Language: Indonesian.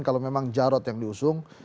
kalau memang jarod yang diusung